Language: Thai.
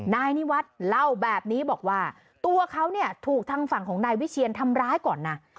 นายนิวัฒน์เล่าแบบนี้บอกว่าตัวเขาเนี่ยถูกทางฝั่งของนายวิเชียนทำร้ายก่อนนะ